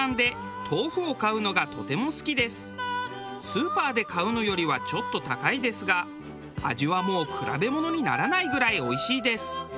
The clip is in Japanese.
スーパーで買うのよりはちょっと高いですが味はもう比べ物にならないぐらいおいしいです。